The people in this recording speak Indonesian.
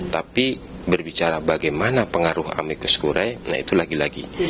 tapi berbicara bagaimana pengaruh amicus kuriae itu lagi lagi